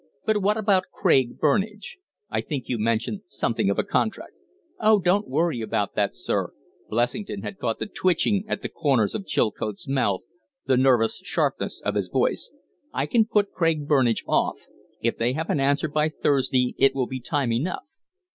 But what about Craig, Burnage? I think you mentioned something of a contract." "Oh, don't worry about that, sir." Blessington had caught the twitching at the corners of Chilcote's mouth, the nervous sharpness of his voice. "I can put Craig, Burnage off. If they have an answer by Thursday it will be time enough."